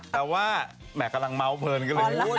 แต่ว่าแม่กำลังเมาเผินก็เลย